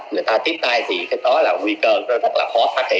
người ta tiếp tay thì cái đó là nguy cơ